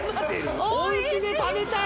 おうちで食べたい！